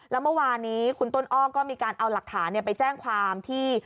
แล้วเมื่อวานนี้คุณต้นอ้อมก็มีการเอาหลักฐานไปแจ้งความที่